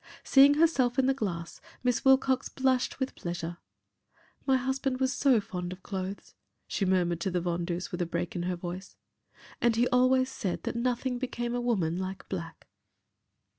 Seeing herself in the glass, Miss Wilcox blushed with pleasure. "My husband was so fond of clothes," she murmured to the vendeuse with a break in her voice, "and he always said that nothing became a woman like black."